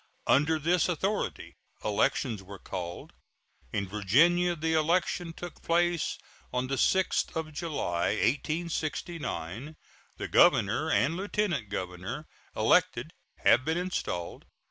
Under this authority elections were called. In Virginia the election took place on the 6th of July, 1869. The governor and lieutenant governor elected have been installed.